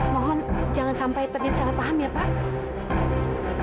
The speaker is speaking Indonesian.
mohon jangan sampai terjadi salah paham ya pak